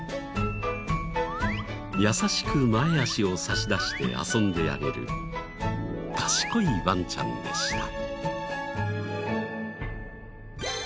優しく前足を差し出して遊んであげる賢いワンちゃんでした。